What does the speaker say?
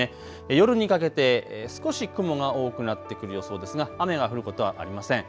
夜にかけて少し雲が多くなってくる予想ですが雨が降ることはありません。